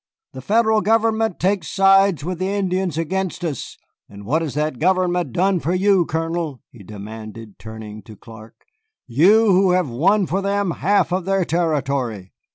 The Federal government takes sides with the Indians against us. And what has that government done for you, Colonel?" he demanded, turning to Clark, "you who have won for them half of their territory?